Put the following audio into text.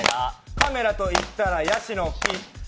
カメラといったらヤシの木。